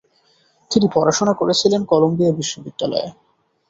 তিনি পড়াশোনা করেছিলেন কলম্বিয়া বিশ্ববিদ্যালয়ে।